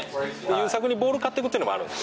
優作にボール買っていくっていうのもある。